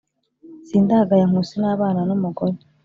Sindagaya Nkusi N’abana n’umugore